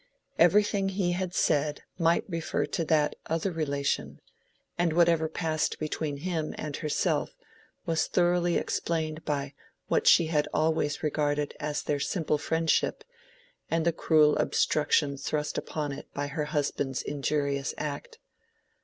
Everything he had said might refer to that other relation, and whatever had passed between him and herself was thoroughly explained by what she had always regarded as their simple friendship and the cruel obstruction thrust upon it by her husband's injurious act.